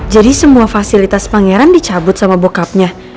jadi semua fasilitas pangeran dicabut sama bokapnya